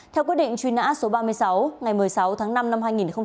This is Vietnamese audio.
theo quyết định truy nã số ba mươi sáu ngày một mươi sáu tháng năm năm hai nghìn một mươi ba